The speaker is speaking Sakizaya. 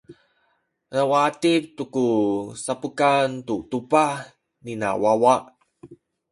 na u atip tu ku sapukan tu tubah nina wawa.